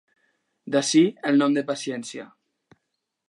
D'ací el nom de paciència.